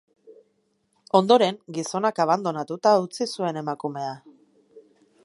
Ondoren, gizonak abandonatuta utzi zuen emakumea.